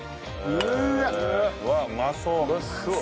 うまそう！